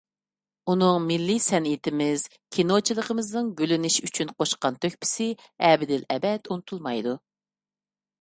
ئۇنىڭ مىللىي سەنئىتىمىز، كىنوچىلىقىمىزنىڭ گۈللىنىشى ئۈچۈن قوشقان تۆھپىسى ئەبەدىلئەبەد ئۇنتۇلمايدۇ.